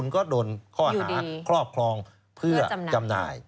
ยังครอบครองเพื่อเสพได้